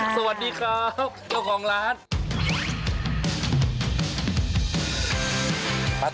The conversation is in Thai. สวัสดีครับ